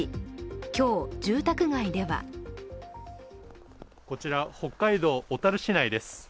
今日、住宅街ではこちら北海道小樽市内です。